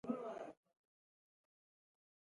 الوتکه د لرې ځایونو ترمنځ فاصله کموي.